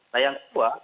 nah yang kedua